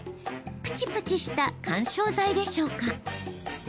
ぷちぷちした緩衝材でしょうか。